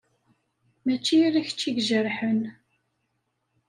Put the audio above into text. Mačči ala kečč i ijerḥen.